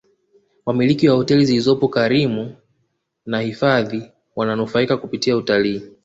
wamiliki wa hoteli zilizopo karinu na hifadhi wananufaika kupitia utalii